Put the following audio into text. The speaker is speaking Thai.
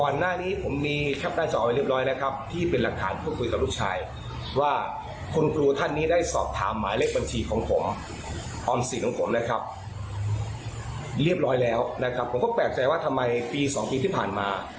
เรียบร้อยแล้วผมโอคแนวใจว่าทำไมปีสองปีที่ผ่านมา